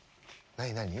何何？